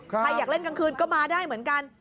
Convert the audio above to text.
อยากเล่นกลางคืนก็มาได้เหมือนกัน